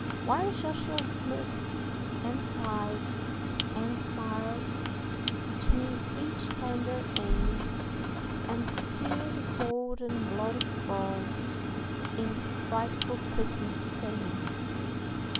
While Joshua smirked, and sighed, and smiled Between each tender aim, And still the cold and bloody balls In frightful quickness came.